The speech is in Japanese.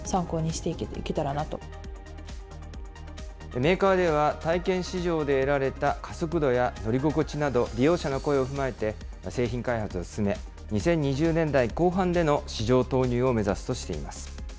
メーカーでは、体験試乗で得られた加速度や乗り心地など、利用者の声を踏まえて製品開発を進め、２０２０年代後半での市場投入を目指すとしています。